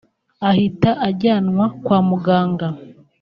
ahita ajyanwa kwa muganga